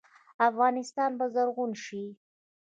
افغانستان به زرغون شي.